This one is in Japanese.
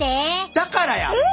だからや！